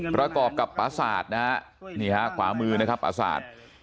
ประกอบกับปัสสาวะนะฮะนี่ฮะขวามือนะครับปัสสาวะ